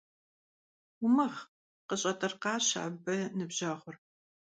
Умыгъ! – къыкӀэщӀэтӀыркъащ абы ныбжьэгъур.